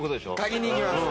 嗅ぎにいきます。